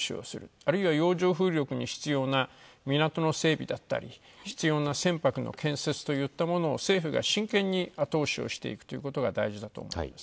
あるいは洋上風力に必要な港の整備だったり、必要な船舶の建設というものを政府が真剣に後押しをしていくということが大事だと思います。